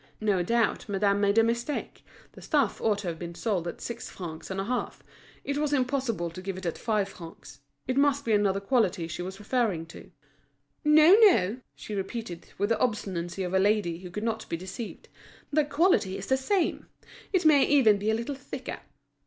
No doubt madame made a mistake, the stuff ought to have been sold at six francs and a half; it was impossible to give it at five francs. It must be another quality she was referring to. "No, no," she repeated, with the obstinacy of a lady who could not be deceived. "The quality is the same. It may even be a little thicker."